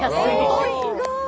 すごい！